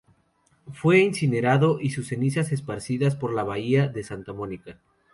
Fue incinerado, y sus cenizas esparcidas por la Bahía de Santa Mónica.